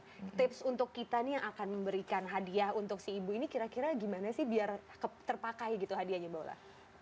jadi siapa nih yang akan memberikan hadiah untuk si ibu ini kira kira gimana sih biar terpakai gitu hadiahnya mbak ula